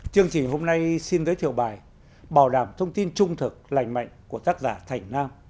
chương trình hôm nay xin giới thiệu bài bảo đảm thông tin trung thực lành mạnh của tác giả thành nam